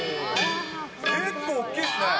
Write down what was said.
結構大きいですね。